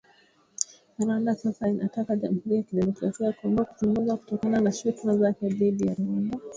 Rwanda sasa inataka Jamuhuri ya Kidemokrasia ya Kongo kuchunguzwa kutokana na shutuma zake dhidi ya Rwanda